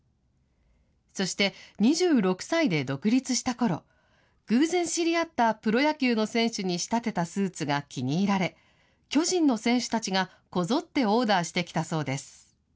そして２６歳で独立したころ、偶然知り合ったプロ野球の選手に仕立てたスーツが気に入られ、巨人の選手たちが、こぞってオーダーしてきたそうです。